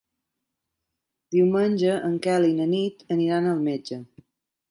Diumenge en Quel i na Nit aniran al metge.